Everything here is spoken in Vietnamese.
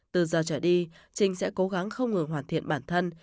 từ giờ trở đi trình sẽ cố gắng không ngừng hoàn thiện bản thân